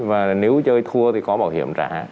và nếu chơi thua thì có bảo hiểm trả